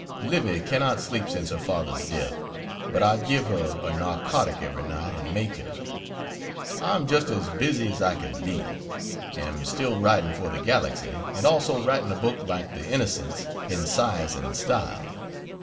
Livy cannot sleep since her father's death but I give her a narcotic every night and make her. I am just as busy as I can be am still writing for the Galaxy and also writing a book like the "Innocents" in size and style.